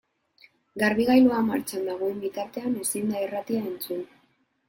Garbigailua martxan dagoen bitartean ezin da irratia entzun.